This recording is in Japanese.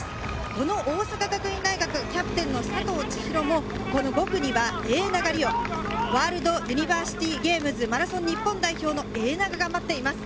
この大阪学院大学キャプテンの佐藤千紘も５区には永長里緒、ワールドユニバーシティゲームズマラソン日本代表の永長が待っています。